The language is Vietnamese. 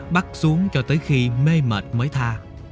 bắt xuống cho tới khi mê mệt mới tha